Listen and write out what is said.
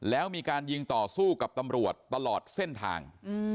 แล้วมีการยิงต่อสู้กับตำรวจตลอดเส้นทาง